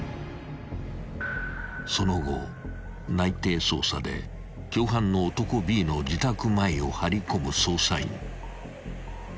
［その後内偵捜査で共犯の男Ｂの自宅前を張り込む捜査員］